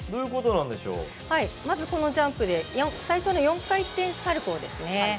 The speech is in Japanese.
まず、このジャンプで最初の４回転サルコーですね。